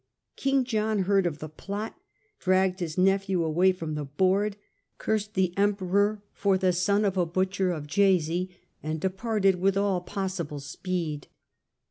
King John heard of the plot, dragged his nephew away from the board, cursed the Emperor for the son of a butcher of Jesi, and departed with all possible speed.